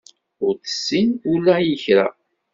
Ur tessin ula i kra.